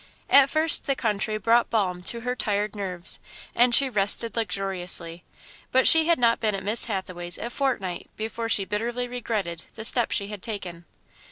At first the country brought balm to her tired nerves, and she rested luxuriously, but she had not been at Miss Hathaway's a fortnight before she bitterly regretted the step she had taken.